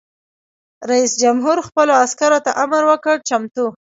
رئیس جمهور خپلو عسکرو ته امر وکړ؛ چمتو!